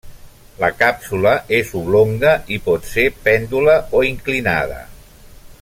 La càpsula és oblonga i pot ser pèndula o inclinada.